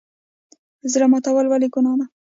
زړه ماتول ولې ګناه ده؟